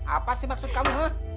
apa sih maksud kamu